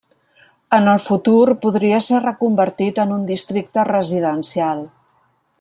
En el futur podria ser reconvertit en un districte residencial.